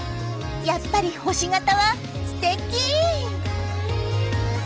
やっぱり星形はステキ！